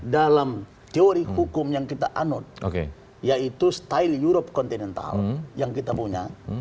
dalam teori hukum yang kita anut yaitu style europe continental yang kita punya